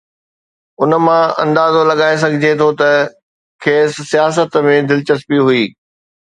ان مان اندازو لڳائي سگهجي ٿو ته کيس سياست ۾ دلچسپي هئي.